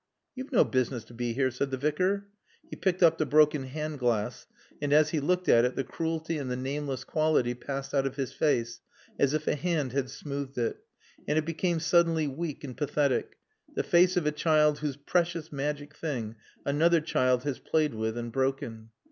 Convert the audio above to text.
"You've no business to be here," said the Vicar. He picked up the broken hand glass, and as he looked at it the cruelty and the nameless quality passed out of his face as if a hand had smoothed it, and it became suddenly weak and pathetic, the face of a child whose precious magic thing another child has played with and broken.